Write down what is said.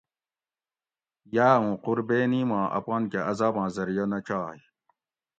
یاۤ اوں قُربینی ما اپان کہ عزاباں ذریعہ نہ چائ